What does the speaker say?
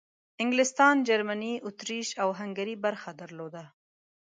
انګلستان، جرمني، اطریش او هنګري برخه درلوده.